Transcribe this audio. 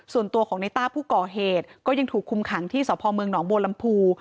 ส่วนตัวของในต้าผู้ก่อเหตุก็ยังถูกคุมขังที่สพเมืองหนองบัวลำพู